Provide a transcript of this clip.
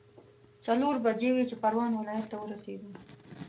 څلور بجې وې چې پروان ولايت ته ورسېدو.